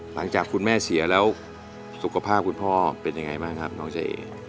หลังจากคุณแม่เสียแล้วสุขภาพคุณพ่อเป็นยังไงบ้างครับน้องเจ๊เอ